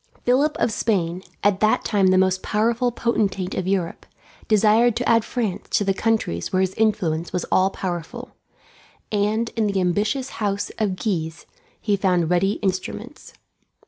Philip of Spain, at that time the most powerful potentate of Europe, desired to add France to the countries where his influence was all powerful; and in the ambitious house of Guise he found ready instruments.